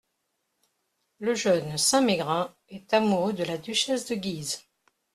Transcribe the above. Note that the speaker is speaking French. Le jeune Saint-Mégrin est amoureux de la duchesse de Guise.